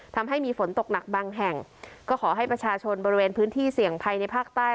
ทำให้มีฝนตกหนักบางแห่งก็ขอให้ประชาชนบริเวณพื้นที่เสี่ยงภัยในภาคใต้